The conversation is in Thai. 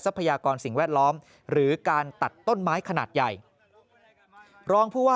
พยากรสิ่งแวดล้อมหรือการตัดต้นไม้ขนาดใหญ่รองผู้ว่า